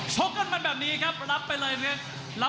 ชกกันมันแบบนี้ครับรับไปเลย